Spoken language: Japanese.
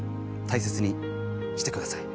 大切にしてください。